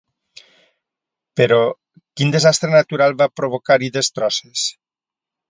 Però, quin desastre natural va provocar-hi destrosses?